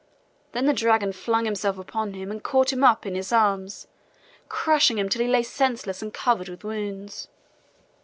Then the dragon flung himself upon him and caught him up in his arms, crushing him till he lay senseless and covered with wounds.